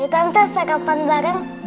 tante sarapan bareng